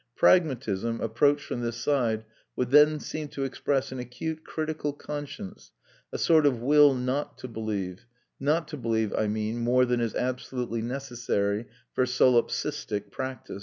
Pragmatism, approached from this side, would then seem to express an acute critical conscience, a sort of will not to believe; not to believe, I mean, more than is absolutely necessary for solipsistic practice.